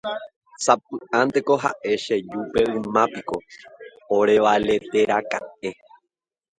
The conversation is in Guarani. Sapy'ánteko ha'e che jupe yma piko orevaleteraka'e.